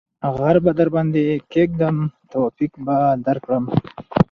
ـ غر به درباندې کېږم توافق به درکړم.